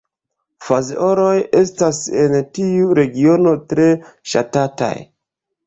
Fazeoloj estas en tiu regiono tre ŝatataj.